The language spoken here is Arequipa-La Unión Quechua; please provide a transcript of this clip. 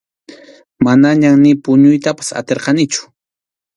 Manañam ni puñuytapas atirqanichu.